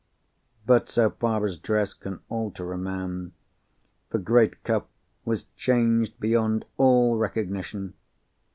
But, so far as dress can alter a man, the great Cuff was changed beyond all recognition.